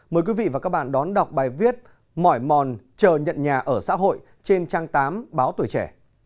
mời quý vị và các bạn đón đọc bài viết mỏi mòn chờ nhận nhà ở xã hội trên trang tám báo tuổi trẻ